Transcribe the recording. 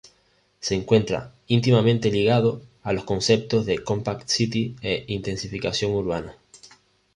Se encuentra íntimamente ligado a los conceptos de "Compact City" e "intensificación urbana".